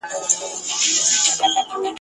بیرغ ئې له لاسه لوېدلی وو.